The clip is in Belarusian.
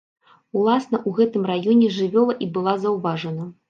Уласна ў гэтым раёне жывёла і была заўважана.